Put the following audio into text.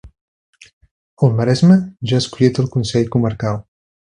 El Maresme ja ha escollit el consell comarcal